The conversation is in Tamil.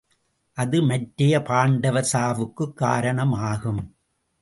அது மற்றைய பாண்டவர் சாவுக்குக் காரணம் ஆகும்.